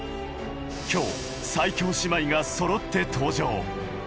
今日、最強姉妹がそろって登場。